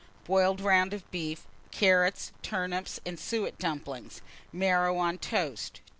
Boiled round of beef, carrots, turnips, and suet dumplings; marrow on toast.